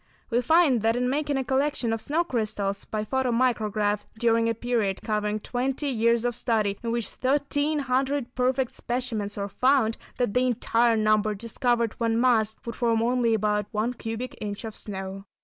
We find that in making a collection of snow crystals by photo micrograph, during a period covering twenty years of study, in which thirteen hundred perfect specimens were found, that the entire number discovered, when massed, would form only about one cubic inch of snow.